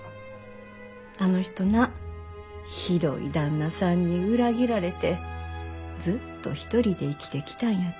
あの人なひどい旦那さんに裏切られてずっと一人で生きてきたんやて。